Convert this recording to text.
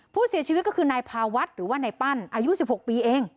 ผู้เสียชีวิตก็คือนายพาวัดหรือว่านายปั้นอายุ๑๖ปีเอง